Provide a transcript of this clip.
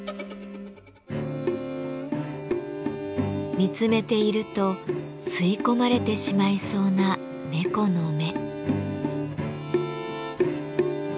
見つめていると吸い込まれてしまいそうな猫の目。